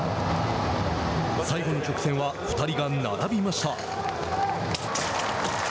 最後の直線は２人が並びました。